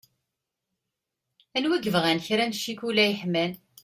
Anwa i yebɣan kra n cikula yeḥman.